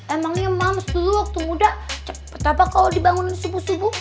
emangnya mams dulu waktu muda cepet apa kalo dibangunin subuh subuh